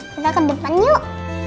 kita ke depan yuk